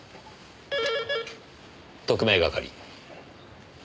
特命係。